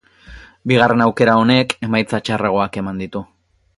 Bigarren aukera honek emaitza txarragoak eman ditu.